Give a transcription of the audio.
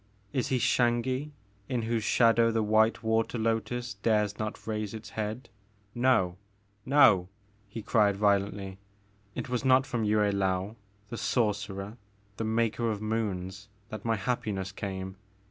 Is he Xangi in whose shadow the white water lotus dares not raise its head ? No ! No !*' he cried violently, it was not from Yue Laou, the sor cerer, the Maker of Moons, that my happiness came